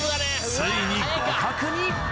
ついに互角に！